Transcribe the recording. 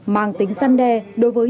mang tính săn đe đối với